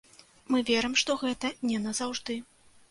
Мы верым, што гэта не назаўжды.